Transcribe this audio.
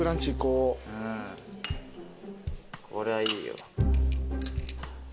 うんこりゃいいよ。